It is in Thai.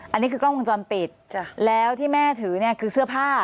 อันนี้คือกล้องวงจรปิดแล้วที่แม่ถือเนี่ยคือเสื้อผ้า